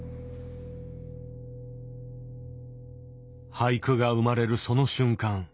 俳句が生まれるその瞬間。